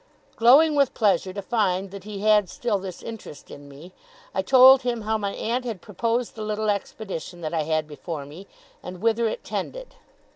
Glowing with pleasure to find that he had still this interest in me, I told him how my aunt had proposed the little expedition that I had before me, and whither it tended.